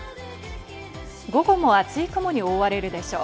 午後も厚い雲に覆われるでしょう。